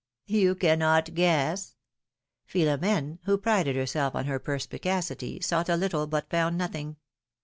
You cannot guess?" Philomene, who prided herself on her perspicacity, sought a little but found nothing.